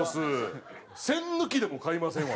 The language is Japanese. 栓抜きでも買いませんわ。